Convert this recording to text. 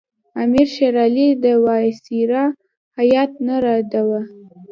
امیر شېر علي د وایسرا هیات نه رداوه.